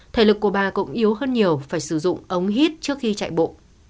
thể lực của bà cũng yếu hơn nhiều phải sử dụng ống hít trước khi chạy bộ